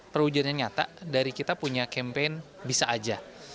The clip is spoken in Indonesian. sebenarnya nyata dari kita punya campaign bisa aja